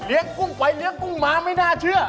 เลี้ยงกุ้งไหวเลี้ยงกุ้งม้าม่าน่าเชื่อ